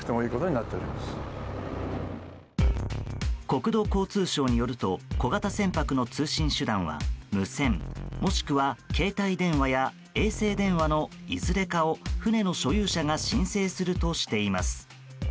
国土交通省によると小型船舶の通信手段は無線もしくは携帯電話や衛星電話のいずれかを船の所有者が申請するとしています。